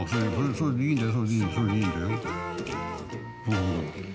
それでいいんだよ。